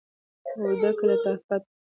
او ډکه له لطافت وه.